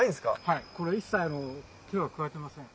はいこれ一切手は加えてません。